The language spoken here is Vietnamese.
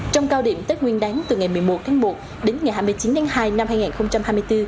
trong cao điểm tết nguyên đáng từ ngày một mươi một tháng một đến ngày hai mươi chín tháng hai năm hai nghìn hai mươi bốn